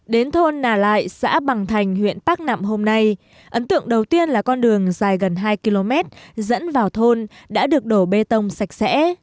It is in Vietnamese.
đến thôn nà lại xã bằng thành huyện bắc nạm hôm nay ấn tượng đầu tiên là con đường dài gần hai km dẫn vào thôn đã được đổ bê tông sạch sẽ